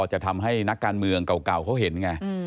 จะทำให้นักการเมืองเก่าเขาเห็นไง